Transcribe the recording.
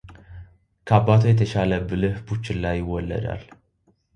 ከአባቱ የተሻለ ብልህ ቡችላ ይወለዳል፡፡